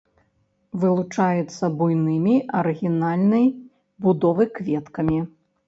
Вылучаецца буйнымі арыгінальнай будовы кветкамі.